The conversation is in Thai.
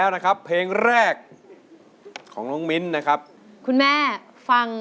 ลูกขอถยอยส่งคืน